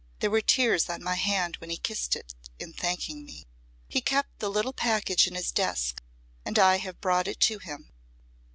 There were tears on my hand when he kissed it in thanking me. He kept the little package in his desk, and I have brought it to him."